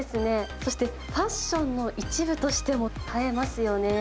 そしてファッションの一部としても映えますよね。